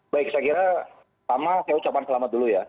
baik saya kira pertama saya ucapkan selamat dulu ya